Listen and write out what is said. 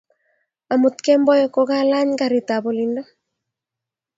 amut kemboi ko ka lany karit ab olindo